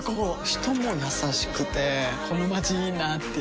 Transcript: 人も優しくてこのまちいいなぁっていう